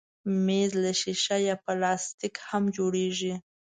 مېز له ښيښه یا پلاستیک هم جوړېږي.